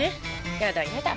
やだやだ。